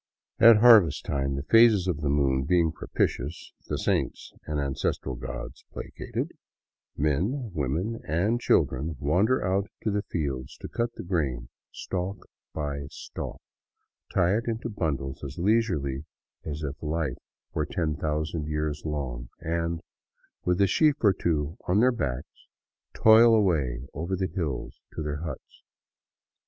At harvest time, the phases of the moon being propitious, the saints and ancestral gods placated, men, women, and children wander out to the fields to cut the grain stalk by stalk, tie it into bundles as leisurely as if life were ten thousand years long, and, with a sheaf or two on their backs, toil away over the hills to their huts.